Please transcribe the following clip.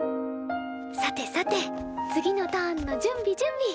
さてさて次のターンの準備準備！